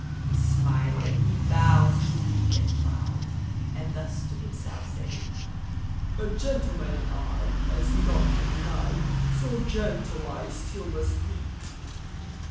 He smiled and he bowed to meek and proud, And thus to himself said he: "A gentleman I, as none can deny, So gentle I still must be!"